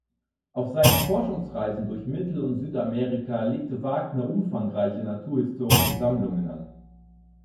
Auf seinen Forschungsreisen durch Mittel- und Südamerika legte Wagner umfangreiche naturhistorische Sammlungen an.